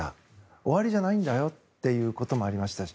終わりじゃないんだよっていうこともありましたし